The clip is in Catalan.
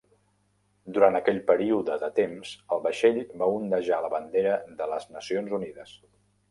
Durant aquell període de temps, el vaixell va ondejar la bandera de les Nacions Unides.